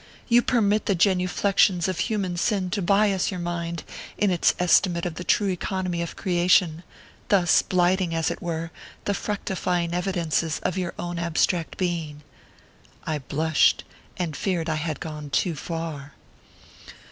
You permit the genuflexions of human sin to bias your inind in its estimate of the true economy of creation ; thus blighting, as it were, the fructifying evidences of your own abstract being " ORPHEUS C. KERR PAPERS. 69 I blushed, and feared I bad gone too far.